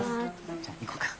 じゃ行こうか。